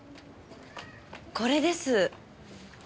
これです。